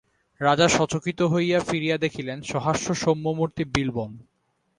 রাজা সচকিত হইয়া ফিরিয়া দেখিলেন সহাস্য সৌম্যমূর্তি বিল্বন।